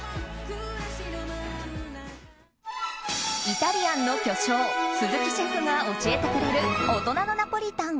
イタリアンの巨匠鈴木シェフが教えてくれる大人のナポリタン。